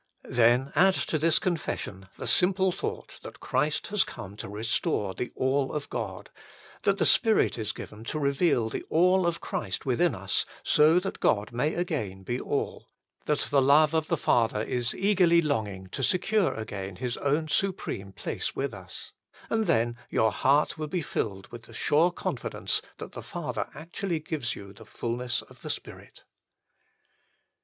Then add to this confession the simple thought that Christ has come to restore the All of God ; that the Spirit is given to reveal the All of Christ within us, so that God may again be all ; that the love of the Father is eagerly longing to secure again His own supreme place with us ; and then your heart will be filled with the sure confidence 12 178 THE FULL BLESSING OF PENTECOST that the Father actually gives you the fulness of the Spirit.